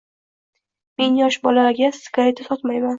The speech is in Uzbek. Men yosh bolalarga sigareta sotmayman.